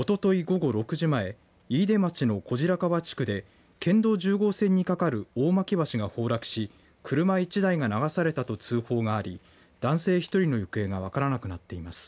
午後６時前飯豊町の小白川地区で県道１０号線に架かる大巻橋が崩落し車１台が流されたと通報があり男性１人の行方が分からなくなっています。